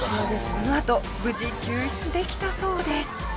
このあと無事救出できたそうです。